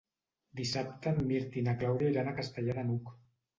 Dissabte en Mirt i na Clàudia iran a Castellar de n'Hug.